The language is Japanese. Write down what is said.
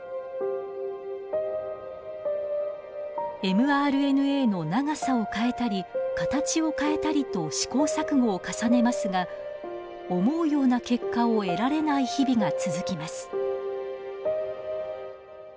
ｍＲＮＡの長さを変えたり形を変えたりと試行錯誤を重ねますが思うような結果を得られない日々が続きます。